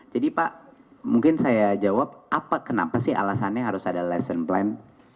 jadi pak mungkin saya jawab apa kenapa sih alasannya harus ada lesson plan